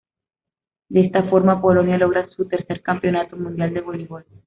De esta forma Polonia logra su tercer Campeonato Mundial de Voleibol